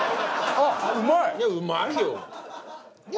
あっうまい！